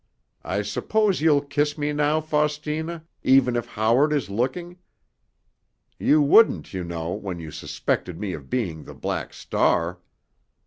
I suppose you'll kiss me now, Faustina, even if Howard is looking? You wouldn't, you know, when you suspected me of being the Black Star."